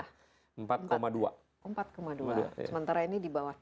empat dua sementara ini